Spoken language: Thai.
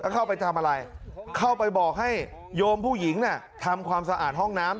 เข้าไปทำอะไรเข้าไปบอกให้โยมผู้หญิงน่ะทำความสะอาดห้องน้ำ